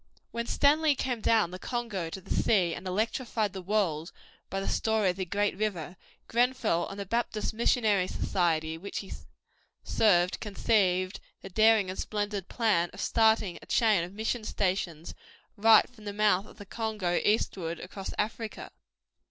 When Stanley came down the Congo to the sea and electrified the world by the story of the great river, Grenfell and the Baptist Missionary Society which he served conceived the daring and splendid plan of starting a chain of mission stations right from the mouth of the Congo eastward across Africa.